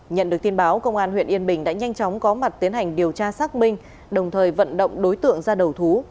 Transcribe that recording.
nhận được tin báo công an huyện yên bình đã nhanh chóng có mặt tiến hành điều tra xác minh đồng thời vận động đối tượng ra đầu thú